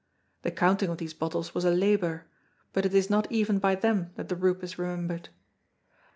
The counting of these bottles was a labor, but it is not even by them that the roup is remembered.